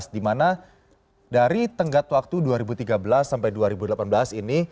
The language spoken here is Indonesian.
di mana dari tenggat waktu dua ribu tiga belas sampai dua ribu delapan belas ini